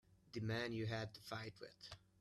The man you had the fight with.